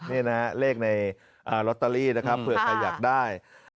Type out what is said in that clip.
นี่นะเลขในลอตเตอรี่นะครับเผื่อใครอยากได้